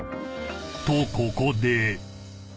［とここで］